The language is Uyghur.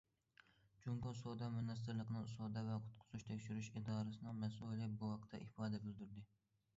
جۇڭگو سودا مىنىستىرلىقىنىڭ سودا ۋە قۇتقۇزۇش تەكشۈرۈش ئىدارىسىنىڭ مەسئۇلى بۇ ھەقتە ئىپادە بىلدۈردى.